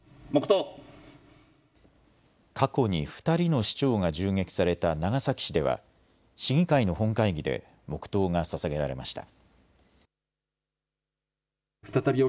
過去に２人の市長が銃撃された長崎市では市議会の本会議で黙とうがささげられました。